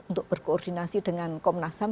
untuk berkoordinasi dengan komnasam